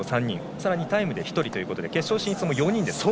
さらにタイムで１人ということで決勝進出も４人ですね。